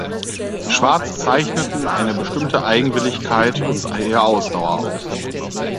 Schwarz zeichneten eine bestimmte Eigenwilligkeit und zähe Ausdauer aus.